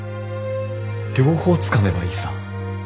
両方つかめばいいさ。